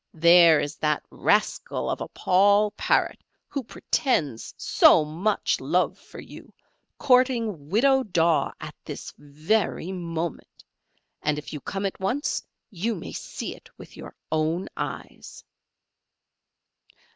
There is that rascal of a Paul Parrot, who pretends so much love for you, courting Widow Daw at this very moment; and if you come at once you may see it with your own eyes."